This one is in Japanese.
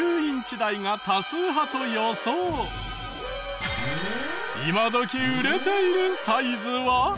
ここは今どき売れているサイズは？